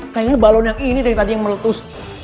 kayaknya balon yang ini dari tadi yang meletus